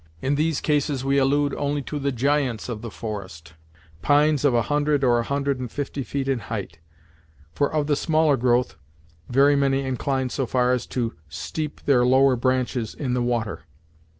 In these cases we allude only to the giants of the forest, pines of a hundred or a hundred and fifty feet in height, for of the smaller growth, very many inclined so far as to steep their lower branches in the water.